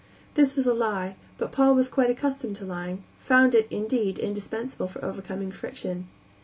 This was a lie, but Paul was quite accustomed to lying; found it, indeed, indispensable for overcoming friction.